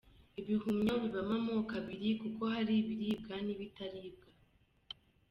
Ibihumyo bibamo amoko abiri kuko hari ibiribwa n’ibitaribwa.